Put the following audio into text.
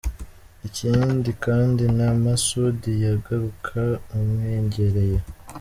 Ikindi kandi na Masoudi yagaruka mumwegereye.